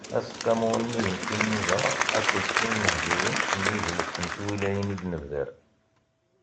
Aseqqamu unnig n timmuzɣa akked tenmehliwin n yidles n twilayin i d-nebder.